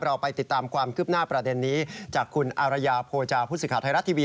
เราไปติดตามความคืบหน้าประเด็นนี้จากคุณอารยาโพจาผู้สื่อข่าวไทยรัฐทีวี